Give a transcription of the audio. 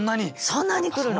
そんなに来るの。